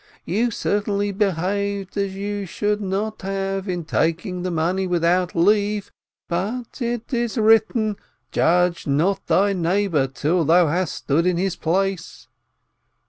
You certainly behaved as you should not have, in taking the money without leave, but it is written: Judge not thy neighbor till thou hast stood in his place.